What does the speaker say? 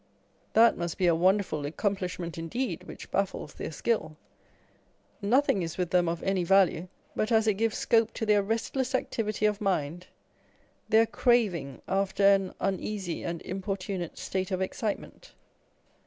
That must be a wonderful accomplishment indeed, which baffles their skill â€" nothing is with them of any value but as it gives scope to their restless activity of mind, their craving after an uneasy and importunate state of excitement.